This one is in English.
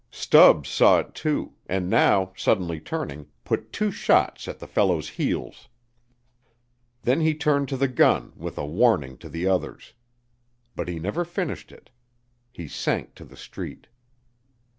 Stubbs saw it, too, and now, suddenly turning, put two shots at the fellow's heels. Then he turned to the gun, with a warning to the others. But he never finished it. He sank to the street.